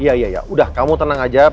iya iya udah kamu tenang aja